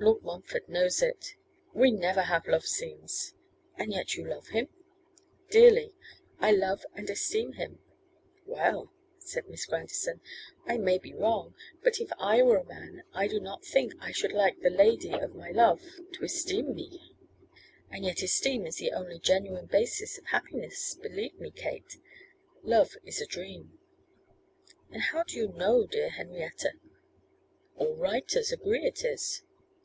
'Lord Montfort knows it. We never have love scenes.' 'And yet you love him?' 'Dearly; I love and esteem him.' 'Well,' said Miss Grandison, 'I may be wrong, but if I were a man I do not think I should like the lady of my love to esteem me.' 'And yet esteem is the only genuine basis of happiness, believe me, Kate. Love is a dream.' 'And how do you know, dear Henrietta?' 'All writers agree it is.